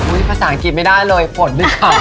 อุ๊ยภาษาอังกฤษไม่ได้เลยฝนค่ะ